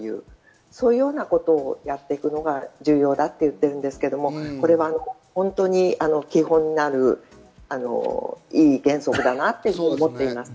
そういうようなことをやっていくのが重要だと言ってるんですけど、本当に基本になるいい原則だなと思っています。